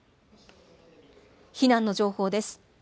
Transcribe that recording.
避難の情報です。